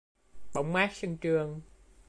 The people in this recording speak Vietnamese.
Bóng mát sân trường